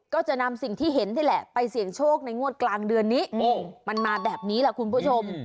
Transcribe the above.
ก็จะนำสิ่งที่เห็นนี่แหละไปเสี่ยงโชคในงวดกลางเดือนนี้มันมาแบบนี้แหละคุณผู้ชม